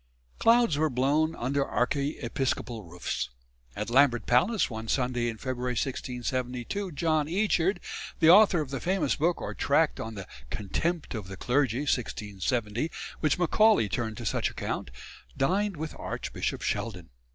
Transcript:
Clouds were blown under archiepiscopal roofs. At Lambeth Palace one Sunday in February 1672 John Eachard, the author of the famous book or tract on "The Contempt of the Clergy," 1670, which Macaulay turned to such account, dined with Archbishop Sheldon.